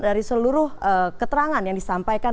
dari seluruh keterangan yang disampaikan